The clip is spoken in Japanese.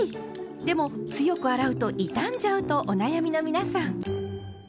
でも強く洗うと傷んじゃうとお悩みの皆さん。